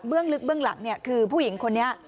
ลึกเบื้องหลังเนี่ยคือผู้หญิงคนนี้